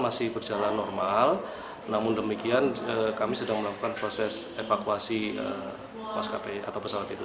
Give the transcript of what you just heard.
masih berjalan normal namun demikian kami sedang melakukan proses evakuasi mas kp atau pesawat itu